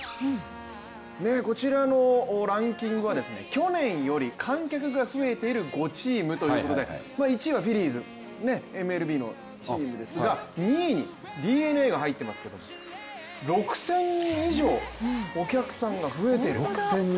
こちらのランキングは去年より観客が増えている５チームということで、１位はフィリーズＭＬＢのチームですが２位にＤｅＮＡが入っていますけど６０００人以上お客さんが増えている。